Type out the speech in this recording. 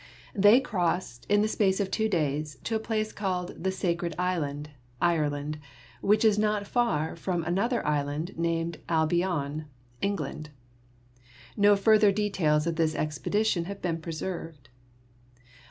They crossed, in the space of two days, to a place called the Sacred Island (Ireland), which was not far from an other island, named Al Bion (England). No further de tails of this expedition have been preserved.